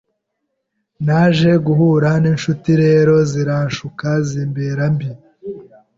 naje guhura n’inshuti rero ziranshuka zimbera mbi